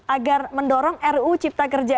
agar mendorong ruu cipta kerja